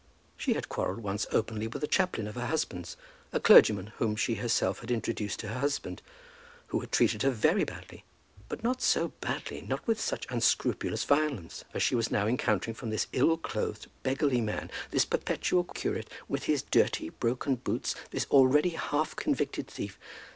She had quarrelled once openly with a chaplain of her husband's, a clergyman whom she herself had introduced to her husband, and who had treated her very badly; but not so badly, not with such unscrupulous violence, as she was now encountering from this ill clothed beggarly man, this perpetual curate, with his dirty broken boots, this already half convicted thief!